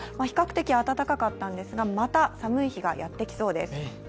比較的暖かかったんですが、また寒い日がやってきそうです。